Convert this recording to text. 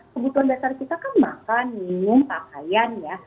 kebutuhan dasar kita kan makan minum pakaian ya